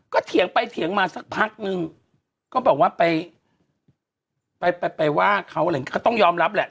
ก็เถียงไปเถียงมาสักพักหนึ่งก็บอกว่าไปไปไปไปว่าเขาอะไรก็ต้องยอมรับแหละ